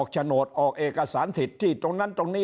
คราวนี้เจ้าหน้าที่ป่าไม้รับรองแนวเนี่ยจะต้องเป็นหนังสือจากอธิบดี